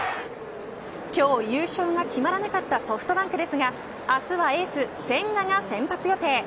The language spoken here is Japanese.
今日、優勝が決まらなかったソフトバンクですが明日はエース千賀が先発予定。